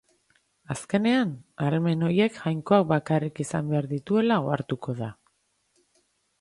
Azkenean, ahalmen horiek Jainkoak bakarrik izan behar dituela ohartuko da.